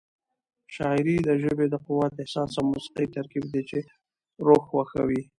شاعري د ژبې د قوت، احساس او موسيقۍ ترکیب دی چې روح خوښوي.